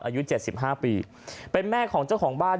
อายุ๗๕ปีเป็นแม่ของเจ้าของบ้าน